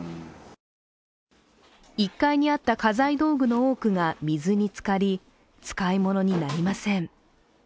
１階にあった家財道具の多くが水に浸かり使い物になりません。